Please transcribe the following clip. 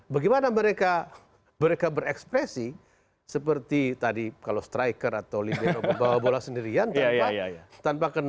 bagaimana mereka berekspresi seperti tadi kalau striker atau libe bawa bola sendirian tanpa kena